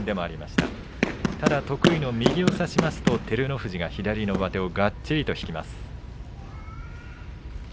ただ得意の右を差しますと照ノ富士が左の上手をがっちりと引きます。